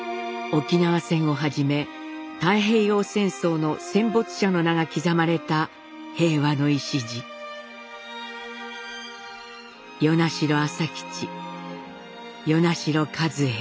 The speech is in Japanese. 沖縄戦をはじめ太平洋戦争の戦没者の名が刻まれた「與那城朝吉與那城カズエ」。